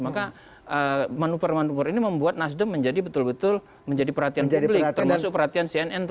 maka manuver manuver ini membuat nasdem menjadi betul betul menjadi perhatian publik termasuk perhatian cnn